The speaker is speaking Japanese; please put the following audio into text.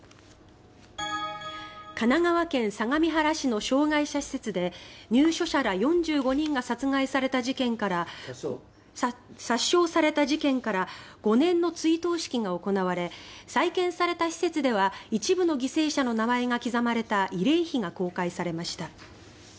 神奈川県相模原市の障害者施設で入所者ら４５人が殺傷された事件から５年の追悼式が行われ再建された施設では一部の犠牲者の名前が刻まれた慰霊碑が公開されました。